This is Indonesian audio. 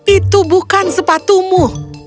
itu bukan sepatumu